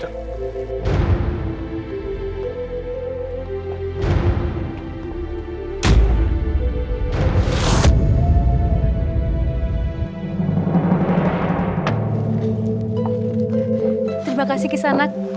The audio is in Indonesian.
terima kasih kisanak